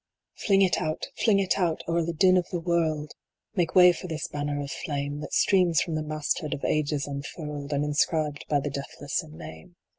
66 GENIUS. " Fling it out, fling it out o er the din of the world ! Make way for this banner of flame, That streams from the mast head of ages unfurled, And inscribed by the deathless in name.